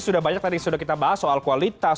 sudah banyak tadi sudah kita bahas soal kualitas